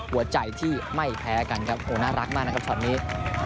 หัวใจที่ไม่แพ้กันครับโอ้น่ารักมากนะครับช็อตนี้